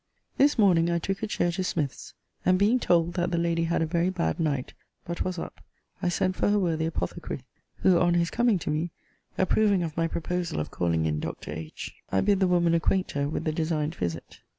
This morning I took a chair to Smith's; and, being told that the lady had a very bad night, but was up, I sent for her worthy apothecary; who, on his coming to me, approving of my proposal of calling in Dr. H., I bid the woman acquaint her with the designed visit.